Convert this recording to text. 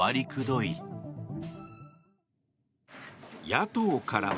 野党からは。